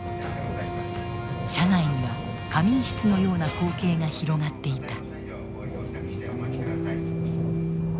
車内には仮眠室のような光景が広がっていた。